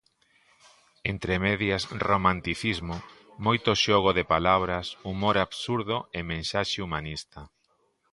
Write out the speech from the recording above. Entremedias romanticismo, moito xogo de palabras, humor absurdo e mensaxe humanista.